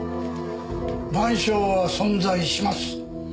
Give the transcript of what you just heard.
『晩鐘』は存在します。